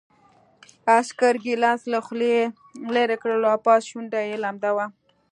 عسکر ګیلاس له خولې لېرې کړ او پاس شونډه یې لمده وه